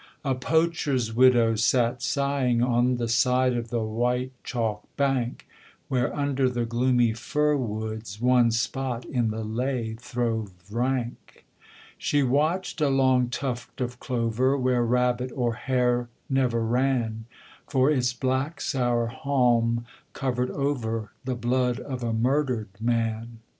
A poacher's widow sat sighing On the side of the white chalk bank, Where under the gloomy fir woods One spot in the ley throve rank. She watched a long tuft of clover, Where rabbit or hare never ran; For its black sour haulm covered over The blood of a murdered man.